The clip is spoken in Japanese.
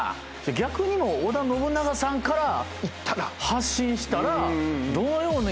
逆に織田信長さんから発進したら。